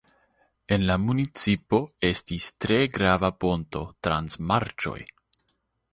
En la municipo estis tre grava ponto trans marĉoj.